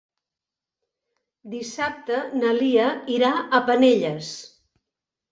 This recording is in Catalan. Dissabte na Lia irà a Penelles.